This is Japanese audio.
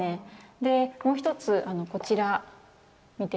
でもう一つこちら見て頂くと。